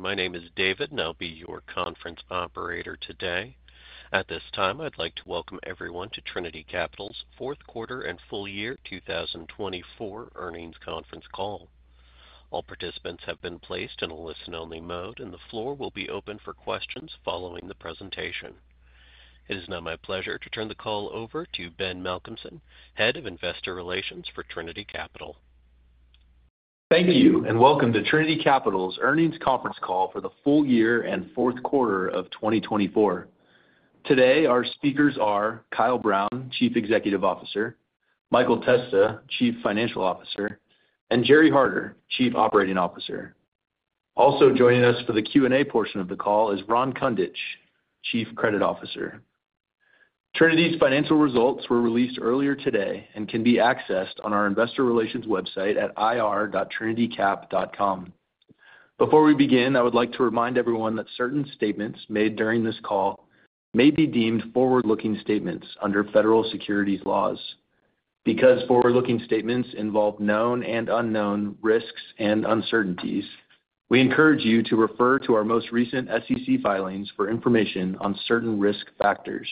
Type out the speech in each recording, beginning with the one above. Good morning. My name is David, and I'll be your conference operator today. At this time, I'd like to welcome everyone to Trinity Capital's Fourth Quarter and full year 2024 Earnings conference call. All participants have been placed in a listen-only mode, and the floor will be open for questions following the presentation. It is now my pleasure to turn the call over to Ben Malcolmson, Head of Investor Relations for Trinity Capital. Thank you, and welcome to Trinity Capital's earnings conference call for the full year and fourth quarter of 2024. Today, our speakers are Kyle Brown, Chief Executive Officer, Michael Testa, Chief Financial Officer, and Gerry Harder, Chief Operating Officer. Also joining us for the Q&A portion of the call is Ron Kundich, Chief Credit Officer. Trinity's financial results were released earlier today and can be accessed on our Investor Relations website at ir.trinitycap.com. Before we begin, I would like to remind everyone that certain statements made during this call may be deemed forward-looking statements under federal securities laws. Because forward-looking statements involve known and unknown risks and uncertainties, we encourage you to refer to our most recent SEC filings for information on certain risk factors.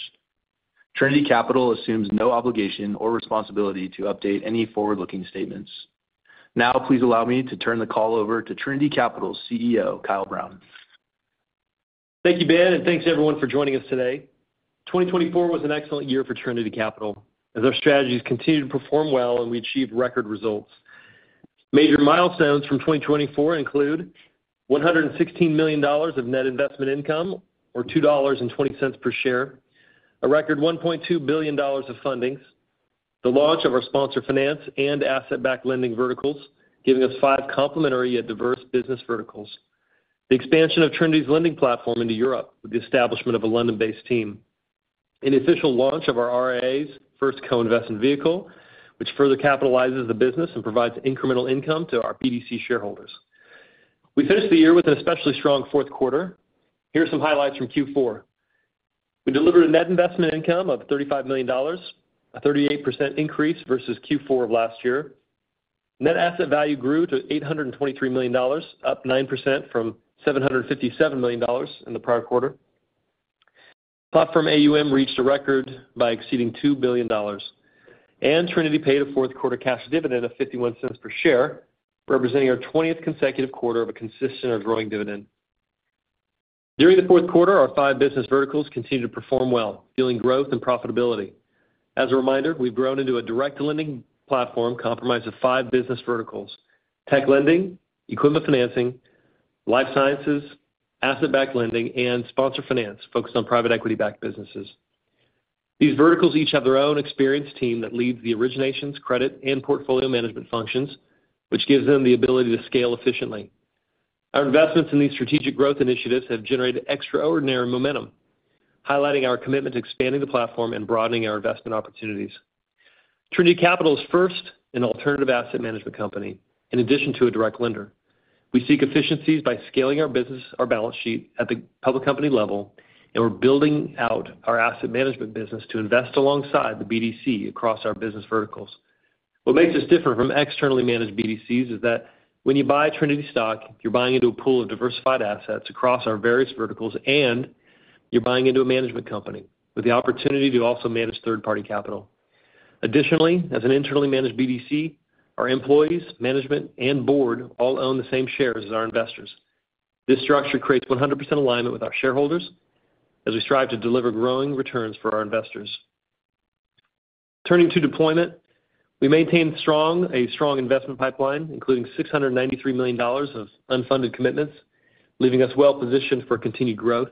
Trinity Capital assumes no obligation or responsibility to update any forward-looking statements. Now, please allow me to turn the call over to Trinity Capital's CEO, Kyle Brown. Thank you, Ben, and thanks everyone for joining us today. 2024 was an excellent year for Trinity Capital as our strategies continued to perform well and we achieved record results. Major milestones from 2024 include $116 million of net investment income, or $2.20 per share. A record $1.2 billion of fundings. The launch of our sponsor finance and asset-backed lending verticals, giving us five complementary yet diverse business verticals. The expansion of Trinity's lending platform into Europe with the establishment of a London-based team. And the official launch of our RIA's first co-investment vehicle, which further capitalizes the business and provides incremental income to our BDC shareholders. We finished the year with an especially strong fourth quarter. Here are some highlights from Q4. We delivered a net investment income of $35 million, a 38% increase versus Q4 of last year. Net Asset Value grew to $823 million, up 9% from $757 million in the prior quarter. Platform AUM reached a record by exceeding $2 billion, and Trinity paid a fourth quarter cash dividend of $0.51 per share, representing our 20th consecutive quarter of a consistent or growing dividend. During the fourth quarter, our five business verticals continued to perform well, fueling growth and profitability. As a reminder, we've grown into a direct lending platform comprised of five business verticals: tech lending, equipment financing, life sciences, asset-backed lending, and sponsor finance focused on private equity-backed businesses. These verticals each have their own experienced team that leads the originations, credit, and portfolio management functions, which gives them the ability to scale efficiently. Our investments in these strategic growth initiatives have generated extraordinary momentum, highlighting our commitment to expanding the platform and broadening our investment opportunities. Trinity Capital is the first internally managed alternative asset management company in addition to a direct lender. We seek efficiencies by scaling our business, our balance sheet at the public company level, and we're building out our asset management business to invest alongside the BDC across our business verticals. What makes us different from externally managed BDCs is that when you buy Trinity stock, you're buying into a pool of diversified assets across our various verticals, and you're buying into a management company with the opportunity to also manage third-party capital. Additionally, as an internally managed BDC, our employees, management, and board all own the same shares as our investors. This structure creates 100% alignment with our shareholders as we strive to deliver growing returns for our investors. Turning to deployment, we maintain a strong investment pipeline, including $693 million of unfunded commitments, leaving us well-positioned for continued growth.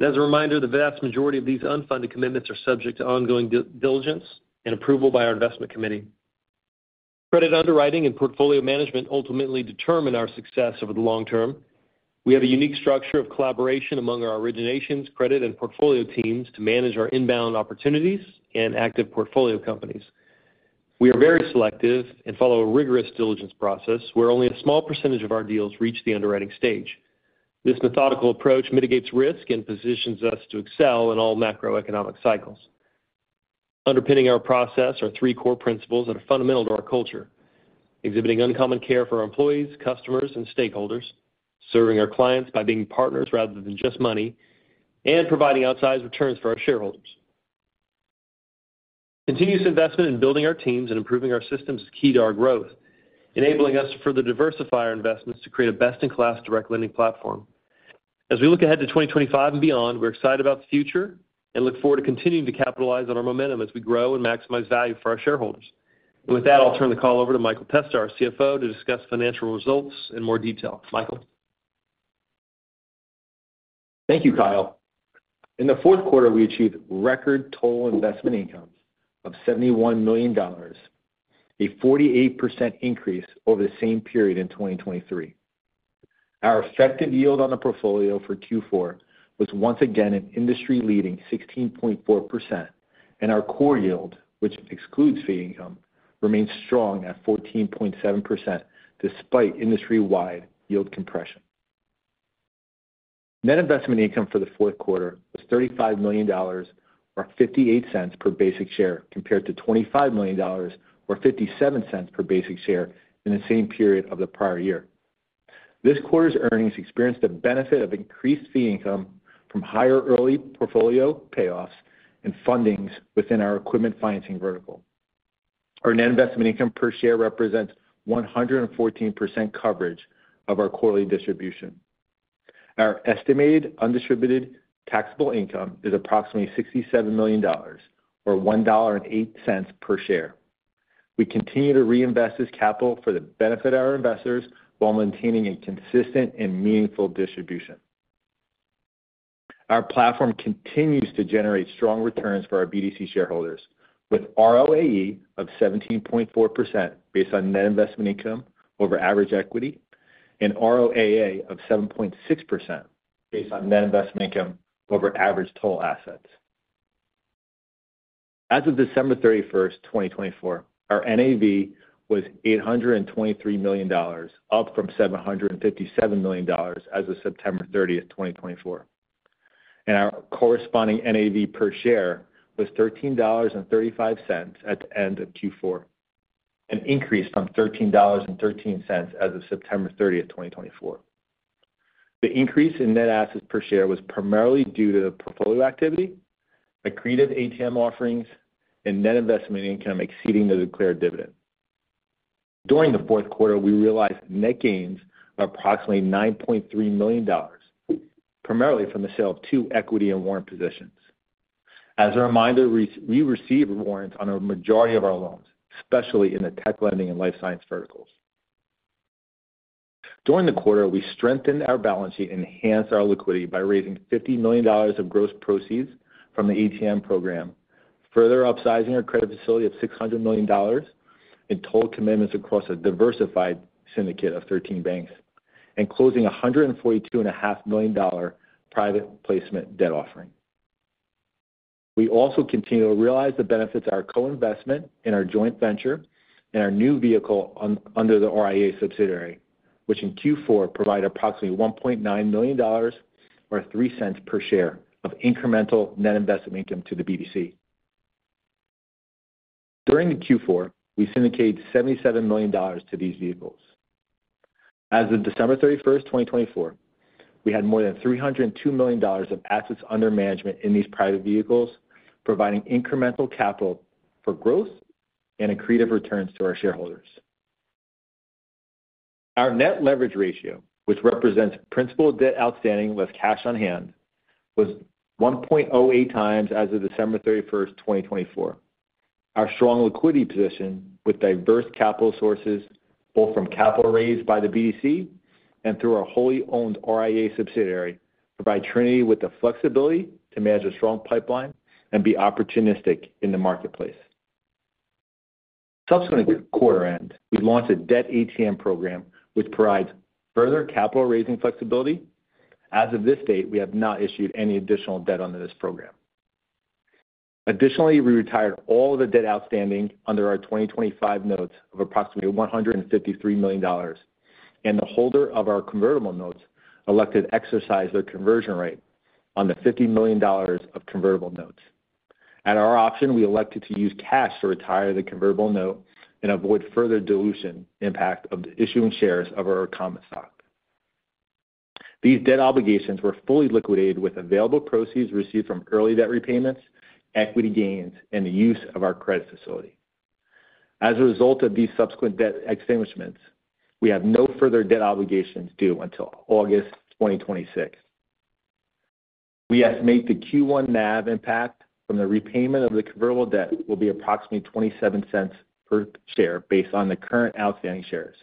As a reminder, the vast majority of these unfunded commitments are subject to ongoing diligence and approval by our investment committee. Credit underwriting and portfolio management ultimately determine our success over the long term. We have a unique structure of collaboration among our originations, credit, and portfolio teams to manage our inbound opportunities and active portfolio companies. We are very selective and follow a rigorous diligence process, where only a small percentage of our deals reach the underwriting stage. This methodical approach mitigates risk and positions us to excel in all macroeconomic cycles. Underpinning our process are three core principles that are fundamental to our culture: exhibiting uncommon care for our employees, customers, and stakeholders. Serving our clients by being partners rather than just money. And providing outsized returns for our shareholders. Continuous investment in building our teams and improving our systems is key to our growth, enabling us to further diversify our investments to create a best-in-class direct lending platform. As we look ahead to 2025 and beyond, we're excited about the future and look forward to continuing to capitalize on our momentum as we grow and maximize value for our shareholders. And with that, I'll turn the call over to Michael Testa, our CFO, to discuss financial results in more detail. Michael. Thank you, Kyle. In the fourth quarter, we achieved record total investment income of $71 million, a 48% increase over the same period in 2023. Our effective yield on the portfolio for Q4 was once again an industry-leading 16.4%, and our core yield, which excludes fee income, remained strong at 14.7% despite industry-wide yield compression. Net investment income for the fourth quarter was $35 million, or $0.58 per basic share, compared to $25 million, or $0.57 per basic share in the same period of the prior year. This quarter's earnings experienced the benefit of increased fee income from higher early portfolio payoffs and fundings within our equipment financing vertical. Our net investment income per share represents 114% coverage of our quarterly distribution. Our estimated undistributed taxable income is approximately $67 million, or $1.08 per share. We continue to reinvest this capital for the benefit of our investors while maintaining a consistent and meaningful distribution. Our platform continues to generate strong returns for our BDC shareholders, with ROAE of 17.4% based on net investment income over average equity and ROAA of 7.6% based on net investment income over average total assets. As of December 31st, 2024, our NAV was $823 million, up from $757 million as of September 30th, 2024, and our corresponding NAV per share was $13.35 at the end of Q4, an increase from $13.13 as of September 30th, 2024. The increase in net assets per share was primarily due to the portfolio activity, accretive ATM offerings, and net investment income exceeding the declared dividend. During the fourth quarter, we realized net gains of approximately $9.3 million, primarily from the sale of two equity and warrant positions. As a reminder, we received warrants on a majority of our loans, especially in the tech lending and life science verticals. During the quarter, we strengthened our balance sheet and enhanced our liquidity by raising $50 million of gross proceeds from the ATM program, further upsizing our credit facility of $600 million in total commitments across a diversified syndicate of 13 banks, and closing a $142.5 million private placement debt offering. We also continue to realize the benefits of our co-investment in our joint venture and our new vehicle under the RIA subsidiary, which in Q4 provided approximately $1.9 million, or $0.03 per share, of incremental net investment income to the BDC. During the Q4, we syndicated $77 million to these vehicles. As of December 31st, 2024, we had more than $302 million of assets under management in these private vehicles, providing incremental capital for growth and accretive returns to our shareholders. Our net leverage ratio, which represents principal debt outstanding with cash on hand, was 1.08 times as of December 31st, 2024. Our strong liquidity position with diverse capital sources, both from capital raised by the BDC and through our wholly owned RIA subsidiary, provides Trinity with the flexibility to manage a strong pipeline and be opportunistic in the marketplace. Subsequent to quarter end, we launched a debt ATM program, which provides further capital raising flexibility. As of this date, we have not issued any additional debt under this program. Additionally, we retired all of the debt outstanding under our 2025 notes of approximately $153 million, and the holder of our convertible notes elected to exercise their conversion rate on the $50 million of convertible notes. At our option, we elected to use cash to retire the convertible note and avoid further dilution impact of the issuing shares of our common stock. These debt obligations were fully liquidated with available proceeds received from early debt repayments, equity gains, and the use of our credit facility. As a result of these subsequent debt extinguishments, we have no further debt obligations due until August 2026. We estimate the Q1 NAV impact from the repayment of the convertible debt will be approximately $0.27 per share based on the current outstanding shares.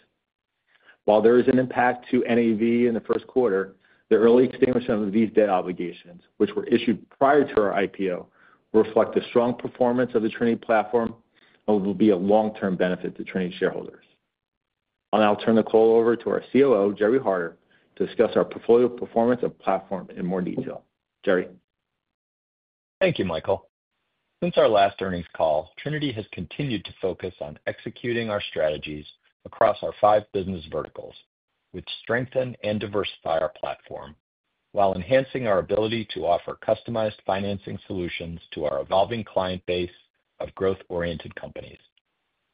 While there is an impact to NAV in the first quarter, the early extinguishment of these debt obligations, which were issued prior to our IPO, reflect the strong performance of the Trinity platform and will be a long-term benefit to Trinity shareholders. I'll now turn the call over to our COO, Gerry Harder, to discuss our portfolio performance and platform in more detail. Gerry. Thank you, Michael. Since our last earnings call, Trinity has continued to focus on executing our strategies across our five business verticals, which strengthen and diversify our platform while enhancing our ability to offer customized financing solutions to our evolving client base of growth-oriented companies.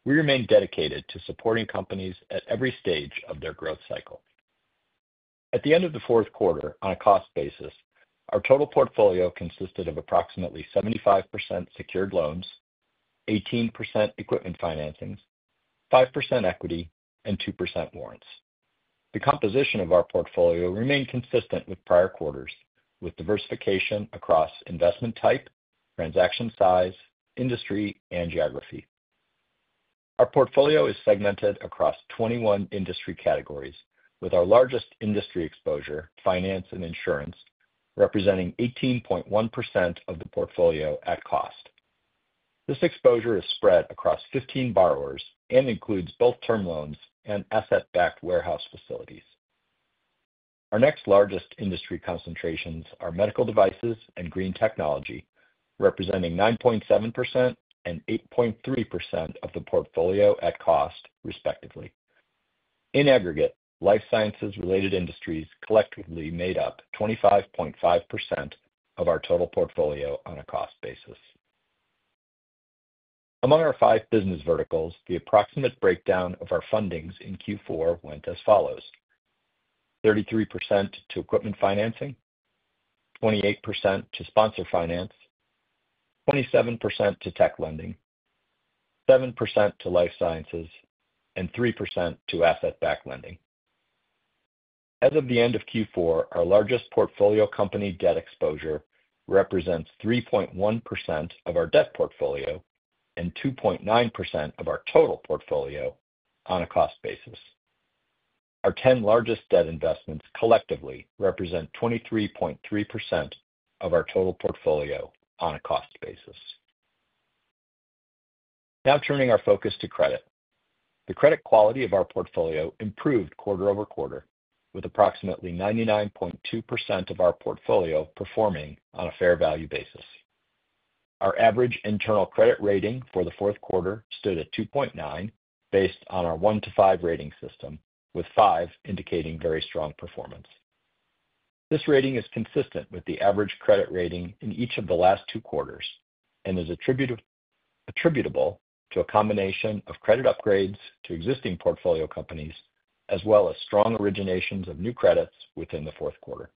We remain dedicated to supporting companies at every stage of their growth cycle. At the end of the fourth quarter, on a cost basis, our total portfolio consisted of approximately 75% secured loans, 18% equipment financings, 5% equity, and 2% warrants. The composition of our portfolio remained consistent with prior quarters, with diversification across investment type, transaction size, industry, and geography. Our portfolio is segmented across 21 industry categories, with our largest industry exposure, finance and insurance, representing 18.1% of the portfolio at cost. This exposure is spread across 15 borrowers and includes both term loans and asset-backed warehouse facilities. Our next largest industry concentrations are medical devices and green technology, representing 9.7% and 8.3% of the portfolio at cost, respectively. In aggregate, life sciences-related industries collectively made up 25.5% of our total portfolio on a cost basis. Among our five business verticals, the approximate breakdown of our fundings in Q4 went as follows: 33% to equipment financing, 28% to sponsor finance, 27% to tech lending, 7% to life sciences, and 3% to asset-backed lending. As of the end of Q4, our largest portfolio company debt exposure represents 3.1% of our debt portfolio and 2.9% of our total portfolio on a cost basis. Our 10 largest debt investments collectively represent 23.3% of our total portfolio on a cost basis. Now turning our focus to credit. The credit quality of our portfolio improved quarter over quarter, with approximately 99.2% of our portfolio performing on a fair value basis. Our average internal credit rating for the fourth quarter stood at 2.9, based on our one to five rating system, with five indicating very strong performance. This rating is consistent with the average credit rating in each of the last two quarters and is attributable to a combination of credit upgrades to existing portfolio companies, as well as strong originations of new credits within the fourth quarter.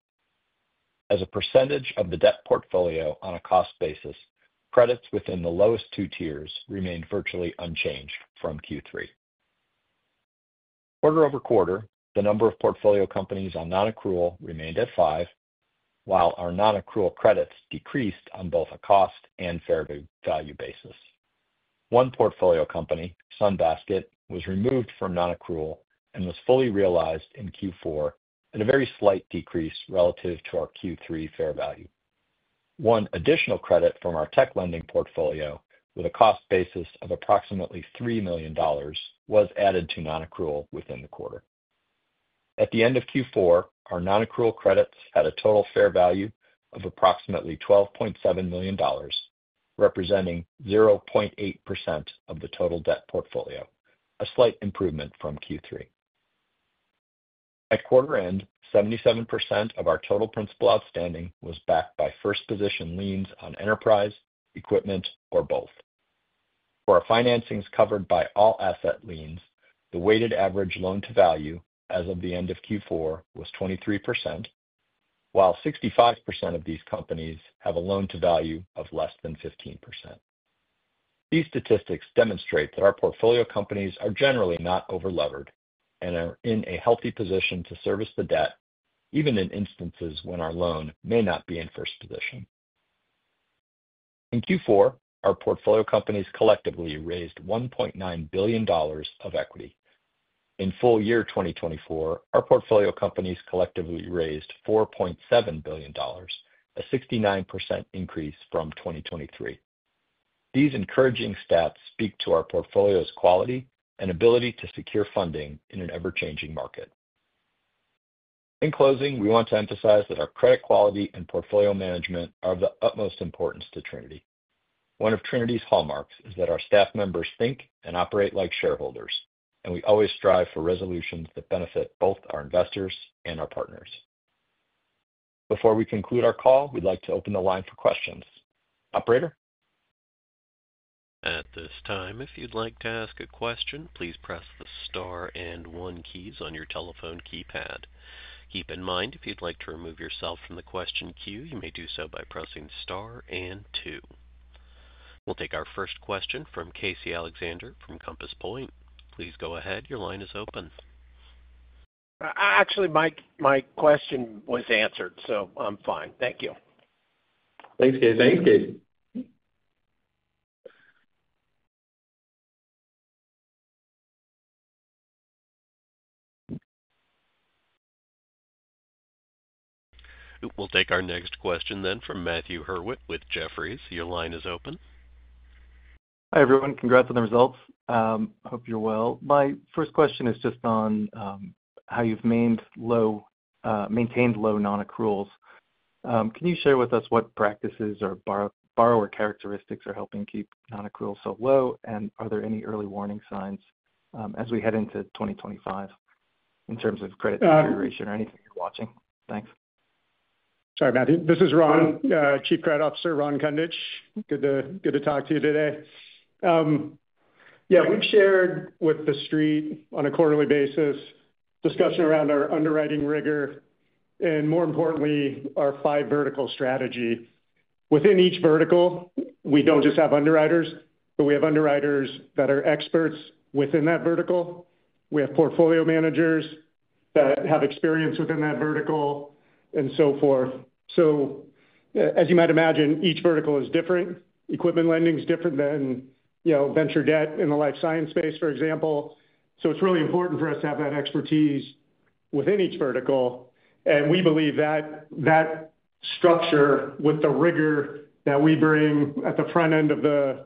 As a percentage of the debt portfolio on a cost basis, credits within the lowest two tiers remained virtually unchanged from Q3. Quarter over quarter, the number of portfolio companies on non-accrual remained at five, while our non-accrual credits decreased on both a cost and fair value basis. One portfolio company, Sunbasket, was removed from non-accrual and was fully realized in Q4 at a very slight decrease relative to our Q3 fair value. One additional credit from our tech lending portfolio, with a cost basis of approximately $3 million, was added to non-accrual within the quarter. At the end of Q4, our non-accrual credits had a total fair value of approximately $12.7 million, representing 0.8% of the total debt portfolio, a slight improvement from Q3. At quarter end, 77% of our total principal outstanding was backed by first-position liens on enterprise, equipment, or both. For our financings covered by all asset liens, the weighted average loan-to-value as of the end of Q4 was 23%, while 65% of these companies have a loan-to-value of less than 15%. These statistics demonstrate that our portfolio companies are generally not over-levered and are in a healthy position to service the debt, even in instances when our loan may not be in first position. In Q4, our portfolio companies collectively raised $1.9 billion of equity. In full year 2024, our portfolio companies collectively raised $4.7 billion, a 69% increase from 2023. These encouraging stats speak to our portfolio's quality and ability to secure funding in an ever-changing market. In closing, we want to emphasize that our credit quality and portfolio management are of the utmost importance to Trinity. One of Trinity's hallmarks is that our staff members think and operate like shareholders, and we always strive for resolutions that benefit both our investors and our partners. Before we conclude our call, we'd like to open the line for questions. Operator? At this time, if you'd like to ask a question, please press the star and one keys on your telephone keypad. Keep in mind, if you'd like to remove yourself from the question queue, you may do so by pressing star and two. We'll take our first question from Casey Alexander from Compass Point. Please go ahead. Your line is open. Actually, my question was answered, so I'm fine. Thank you. Thanks, Casey. We'll take our next question then from Matthew Howlett with Jefferies. Your line is open. Hi, everyone. Congrats on the results. Hope you're well. My first question is just on how you've maintained low non-accruals. Can you share with us what practices or borrower characteristics are helping keep non-accrual so low, and are there any early warning signs as we head into 2025 in terms of credit deterioration or anything you're watching? Thanks. Sorry, Matthew. This is Ron, Chief Credit Officer Ron Kundich. Good to talk to you today. Yeah, we've shared with the street on a quarterly basis discussion around our underwriting rigor and, more importantly, our five vertical strategy. Within each vertical, we don't just have underwriters, but we have underwriters that are experts within that vertical. We have portfolio managers that have experience within that vertical and so forth. So, as you might imagine, each vertical is different. Equipment lending is different than venture debt in the life science space, for example. So it's really important for us to have that expertise within each vertical. And we believe that that structure with the rigor that we bring at the front end of the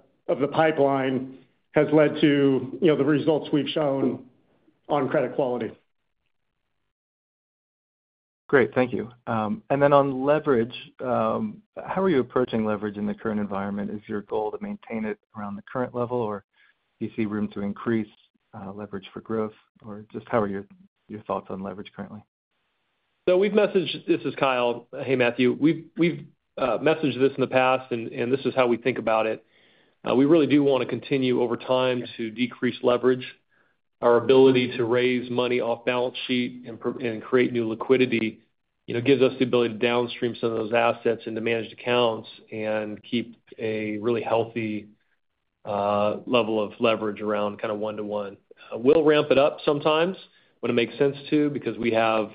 pipeline has led to the results we've shown on credit quality. Great. Thank you. And then on leverage, how are you approaching leverage in the current environment? Is your goal to maintain it around the current level, or do you see room to increase leverage for growth? Or just how are your thoughts on leverage currently? So we've messaged. This is Kyle. Hey, Matthew. We've messaged this in the past, and this is how we think about it. We really do want to continue over time to decrease leverage. Our ability to raise money off balance sheet and create new liquidity gives us the ability to downstream some of those assets into managed accounts and keep a really healthy level of leverage around kind of one-to-one. We'll ramp it up sometimes when it makes sense to, because we have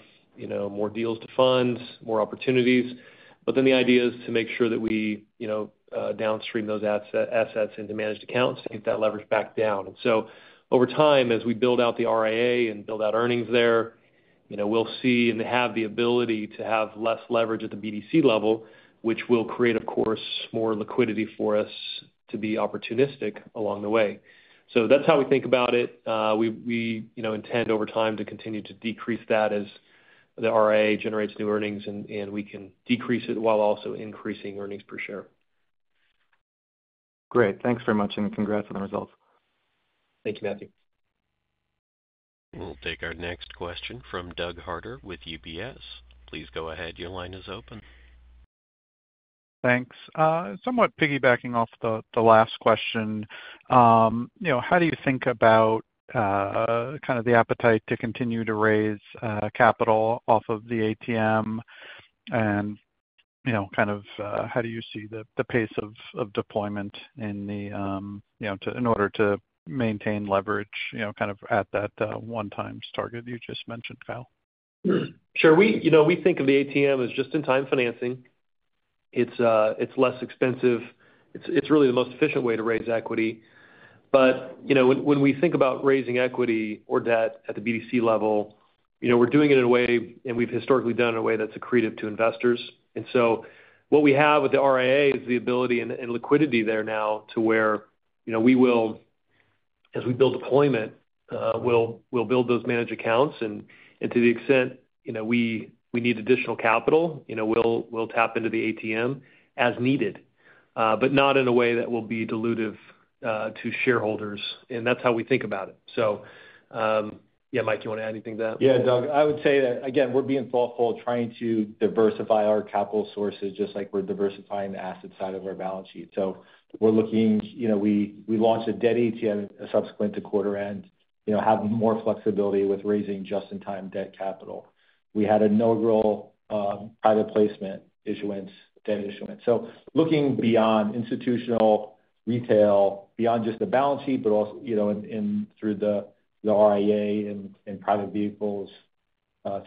more deals to fund, more opportunities. But then the idea is to make sure that we downstream those assets into managed accounts to get that leverage back down. And so, over time, as we build out the RIA and build out earnings there, we'll see and have the ability to have less leverage at the BDC level, which will create, of course, more liquidity for us to be opportunistic along the way. So that's how we think about it. We intend, over time, to continue to decrease that as the RIA generates new earnings, and we can decrease it while also increasing earnings per share. Great. Thanks very much, and congrats on the results. Thank you, Matthew. We'll take our next question from Doug Harter with UBS. Please go ahead. Your line is open. Thanks. Somewhat piggybacking off the last question, how do you think about kind of the appetite to continue to raise capital off of the ATM? And kind of how do you see the pace of deployment in order to maintain leverage kind of at that one-time target you just mentioned, Kyle? Sure. We think of the ATM as just-in-time financing. It's less expensive. It's really the most efficient way to raise equity. But when we think about raising equity or debt at the BDC level, we're doing it in a way, and we've historically done it in a way that's accretive to investors. And so what we have with the RIA is the ability and liquidity there now to where we will, as we build deployment, we'll build those managed accounts. And to the extent we need additional capital, we'll tap into the ATM as needed, but not in a way that will be dilutive to shareholders. And that's how we think about it. So, yeah, Mike, you want to add anything to that? Yeah, Doug. I would say that, again, we're being thoughtful trying to diversify our capital sources just like we're diversifying the asset side of our balance sheet. So we're looking. We launched a debt ATM subsequent to quarter-end, have more flexibility with raising just-in-time debt capital. We had a notes private placement issuance, debt issuance. So looking beyond institutional retail, beyond just the balance sheet, but also through the RIA and private vehicles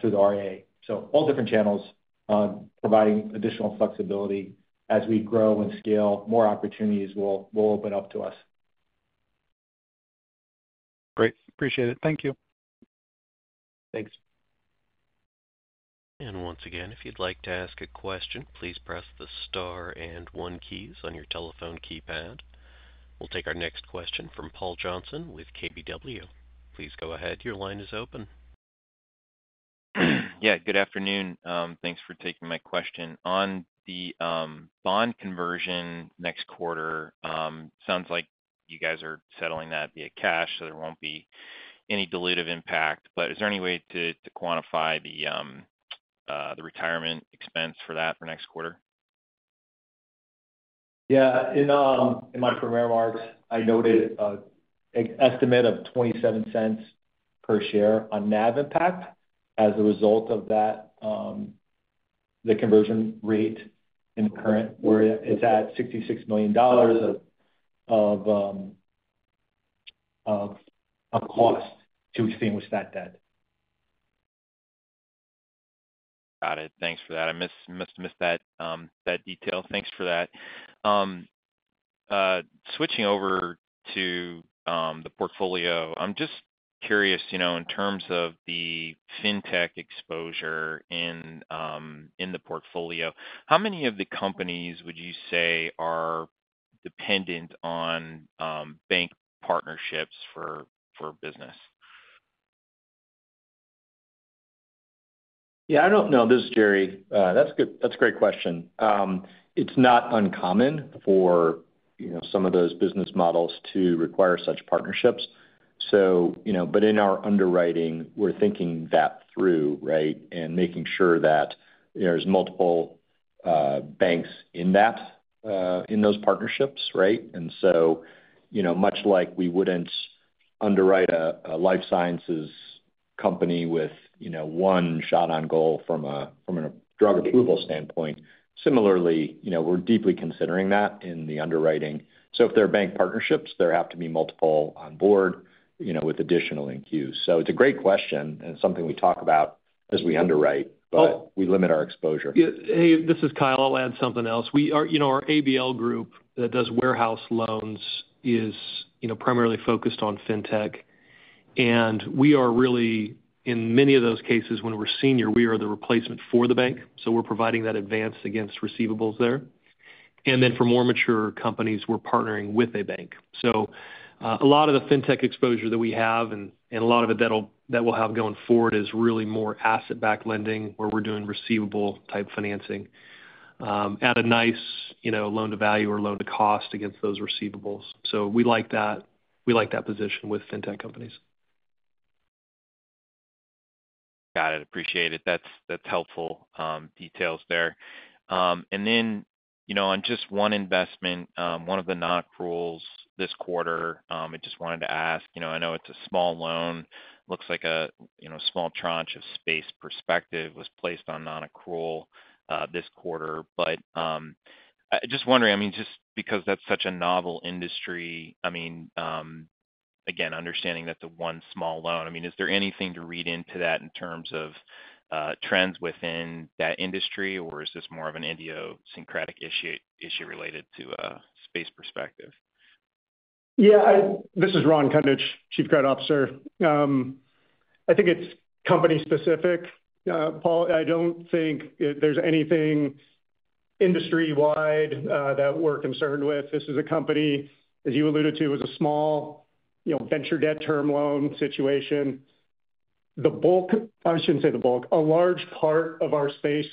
through the RIA. So all different channels providing additional flexibility as we grow and scale. More opportunities will open up to us. Great. Appreciate it. Thank you. Thanks. And once again, if you'd like to ask a question, please press the star and one keys on your telephone keypad. We'll take our next question from Paul Johnson with KBW. Please go ahead. Your line is open. Yeah. Good afternoon. Thanks for taking my question. On the bond conversion next quarter, it sounds like you guys are settling that via cash, so there won't be any dilutive impact. But is there any way to quantify the retirement expense for that for next quarter? Yeah. In my preliminary remarks, I noted an estimate of $0.27 per share on NAV impact. As a result of that, the conversion rate in the current, it's at $66 million of cost to extinguish that debt. Got it. Thanks for that. I must have missed that detail. Thanks for that. Switching over to the portfolio, I'm just curious in terms of the fintech exposure in the portfolio, how many of the companies would you say are dependent on bank partnerships for business? Yeah. No, this is Gerry. That's a great question. It's not uncommon for some of those business models to require such partnerships. But in our underwriting, we're thinking that through, right, and making sure that there's multiple banks in those partnerships, right? And so, much like we wouldn't underwrite a life sciences company with one shot on goal from a drug approval standpoint, similarly, we're deeply considering that in the underwriting. So if they're bank partnerships, there have to be multiple on board with additional in queue. So it's a great question and something we talk about as we underwrite, but we limit our exposure. Hey, this is Kyle. I'll add something else. Our ABL group that does warehouse loans is primarily focused on fintech, and we are really, in many of those cases, when we're senior, we are the replacement for the bank, so we're providing that advance against receivables there, and then for more mature companies, we're partnering with a bank, so a lot of the fintech exposure that we have and a lot of it that we'll have going forward is really more asset-backed lending where we're doing receivable-type financing at a nice loan-to-value or loan-to-cost against those receivables, so we like that position with fintech companies. Got it. Appreciate it. That's helpful details there. And then on just one investment, one of the non-accruals this quarter, I just wanted to ask. I know it's a small loan. Looks like a small tranche of Space Perspective was placed on non-accrual this quarter. But just wondering, I mean, just because that's such a novel industry, I mean, again, understanding that the one small loan, I mean, is there anything to read into that in terms of trends within that industry, or is this more of an idiosyncratic issue related to Space Perspective? Yeah. This is Ron Kundich, Chief Credit Officer. I think it's company-specific, Paul. I don't think there's anything industry-wide that we're concerned with. This is a company, as you alluded to, it was a small venture debt term loan situation. The bulk - I shouldn't say the bulk - a large part of our space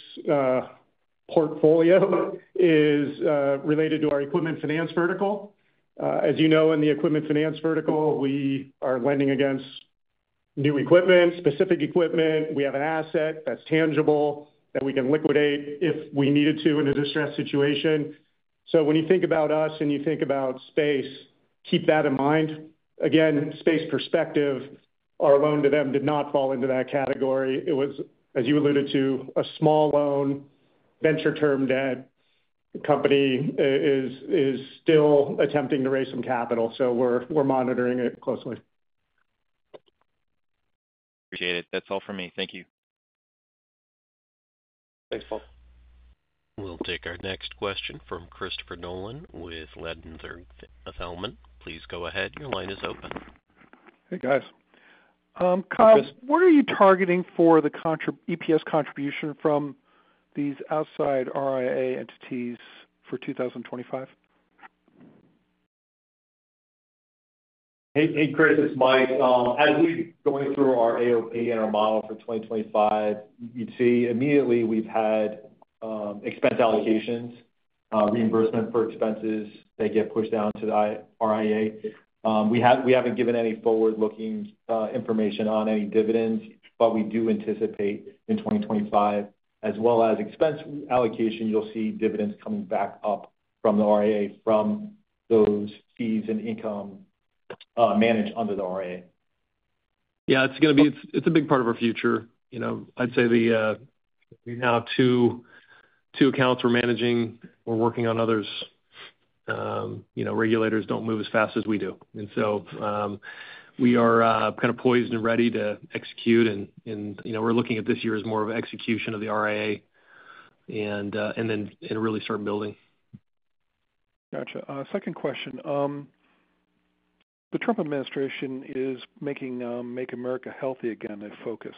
portfolio is related to our equipment finance vertical. As you know, in the equipment finance vertical, we are lending against new equipment, specific equipment. We have an asset that's tangible that we can liquidate if we needed to in a distressed situation. So when you think about us and you think about space, keep that in mind. Again, Space Perspective, our loan to them did not fall into that category. It was, as you alluded to, a small loan, venture-term debt. The company is still attempting to raise some capital, so we're monitoring it closely. Appreciate it. That's all for me. Thank you. Thanks, Paul. We'll take our next question from Christopher Nolan with Ladenburg Thalmann. Please go ahead. Your line is open. Hey, guys. Kyle, what are you targeting for the EPS contribution from these outside RIA entities for 2025? Hey, Chris, it's Mike. As we're going through our AOP and our model for 2025, you'd see immediately we've had expense allocations, reimbursement for expenses that get pushed down to the RIA. We haven't given any forward-looking information on any dividends, but we do anticipate in 2025, as well as expense allocation, you'll see dividends coming back up from the RIA from those fees and income managed under the RIA. Yeah, it's going to be. It's a big part of our future. I'd say now two accounts we're managing. We're working on others. Regulators don't move as fast as we do, and so we are kind of poised and ready to execute, and we're looking at this year as more of an execution of the RIA and then really start building. Gotcha. Second question. The Trump administration is making Make America Healthy Again a focus.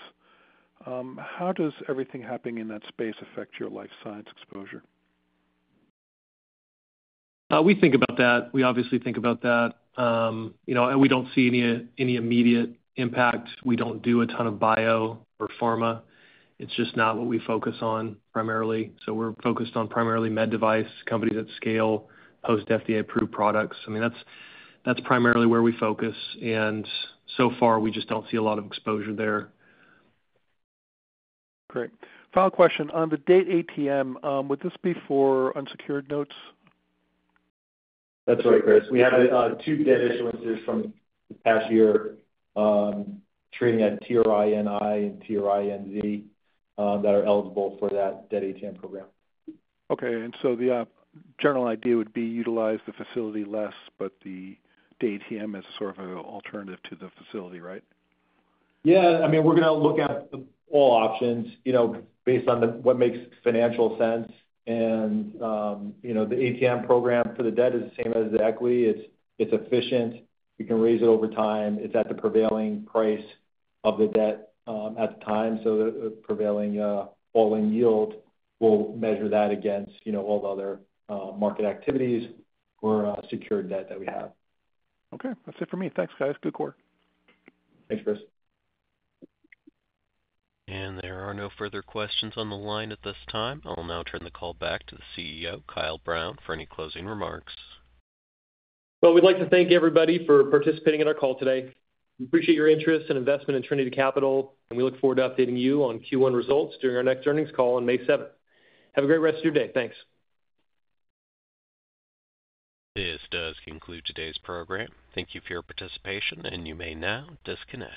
How does everything happening in that space affect your life science exposure? We think about that. We obviously think about that. We don't see any immediate impact. We don't do a ton of bio or pharma. It's just not what we focus on primarily. So we're focused on primarily med device companies at scale, post-FDA-approved products. I mean, that's primarily where we focus. And so far, we just don't see a lot of exposure there. Great. Final question. On the debt ATM, would this be for unsecured notes? That's right, Chris. We have two debt issuances from the past year trading at TRINI and TRINZ that are eligible for that debt ATM program. Okay. And so the general idea would be utilize the facility less, but the ATM as sort of an alternative to the facility, right? Yeah. I mean, we're going to look at all options based on what makes financial sense. And the ATM program for the debt is the same as the equity. It's efficient. We can raise it over time. It's at the prevailing price of the debt at the time. So the prevailing all-in yield will measure that against all the other market activities or secured debt that we have. Okay. That's it for me. Thanks, guys. Good quarter. Thanks, Chris. There are no further questions on the line at this time. I'll now turn the call back to the CEO, Kyle Brown, for any closing remarks. We'd like to thank everybody for participating in our call today. We appreciate your interest and investment in Trinity Capital, and we look forward to updating you on Q1 results during our next earnings call on May 7th. Have a great rest of your day. Thanks. This does conclude today's program. Thank you for your participation, and you may now disconnect.